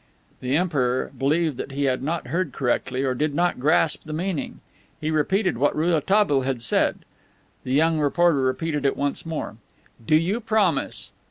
The Emperor believed he had not heard correctly or did not grasp the meaning. He repeated what Rouletabille had said. The young reporter repeated it once more: "Do you promise?